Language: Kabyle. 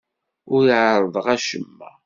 Ur ɛerrḍeɣ acemma.